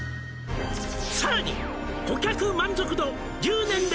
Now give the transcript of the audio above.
「さらに」